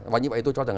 và như vậy tôi cho rằng